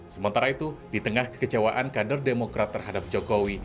sementara itu di tengah kekecewaan kader demokrat terhadap jokowi